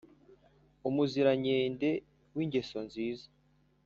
umuzirankende w'ingeso nziza